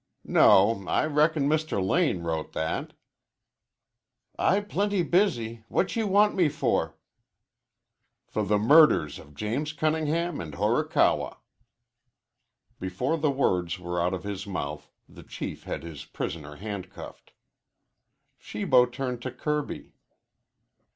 "No, I reckon Mr. Lane wrote that." "I plenty busy. What you want me for?" "For the murders of James Cunningham and Horikawa." Before the words were out of his mouth the Chief had his prisoner handcuffed. Shibo turned to Kirby.